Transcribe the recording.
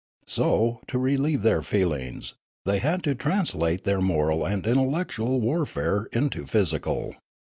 So, to re lieve their feelings, they had to translate their moral and intellectual warfare into physical.